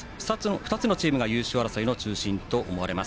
２つのチームが優勝争いの中心と思われます。